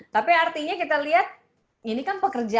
tapi artinya kita lihat ini kan pekerjaan